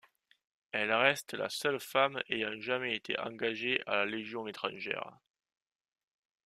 Elle reste la seule femme ayant jamais été engagée à la Légion Étrangère.